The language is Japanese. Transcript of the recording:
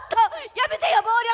やめてよ暴力！